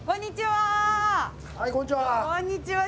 はいこんにちは！